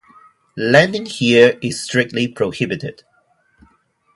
Landing here is strictly prohibited.